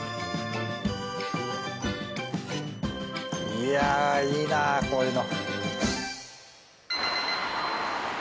いやいいなあこういうの。